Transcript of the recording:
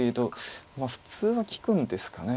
普通は利くんですかね。